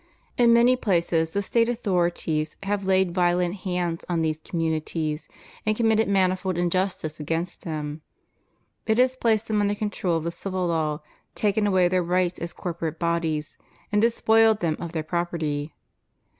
In many places the State authorities have laid violent hands on these communities, and com mitted manifold injustice against them; it has placed them under control of the civil law, taken away their rights as corporate bodies, and despoiled them of their property.